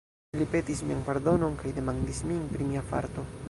Li petis mian pardonon, kaj demandis min pri mia farto.